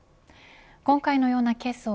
今回のようなケースを